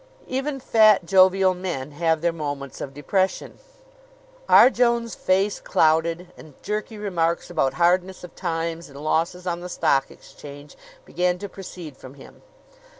Even fat, jovial men have their moments of depression. R. Jones' face clouded, and jerky remarks about hardness of times and losses on the Stock Exchange began to proceed from him.